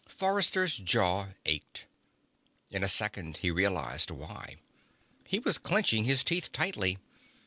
Forrester's jaw ached. In a second he realized why; he was clenching his teeth tightly.